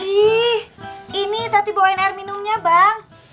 ih ini tati bawain air minumnya bang